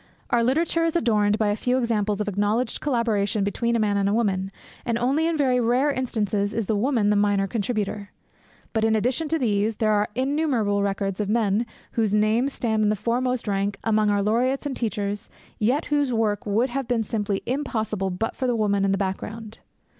Our literature is adorned by a few examples of acknowledged collaboration between a man and a woman, and only in very rare instances is the woman the minor contributor. But, in addition to these, there are innumerable records of men whose names stand in the foremost rank among our laureates and teachers yet whose work would have been simply impossible but for the woman in the background.